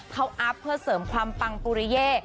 เขาอัพเพื่อเสริมความปังปุริเย่